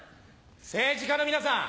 政治家の皆さん